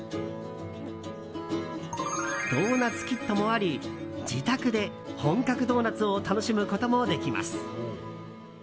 ドーナツキットもあり自宅で本格ドーナツを楽しむこともできます。